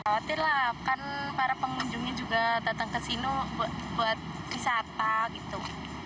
khawatir lah kan para pengunjungnya juga datang ke sini buat wisata gitu